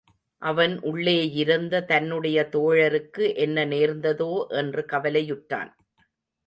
அவன் உள்ளேயிருந்த தன்னுடைய தோழருக்கு என்ன நேர்ந்ததோ என்று கவலையுற்றான்.